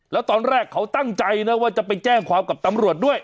แล้วตอนแรกเขาตั้งใจนะว่าจะไปแจ้งความกับตำรวจด้วย